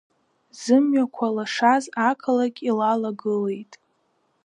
Зымҩақәа лашаз ақалақь илалагылеит.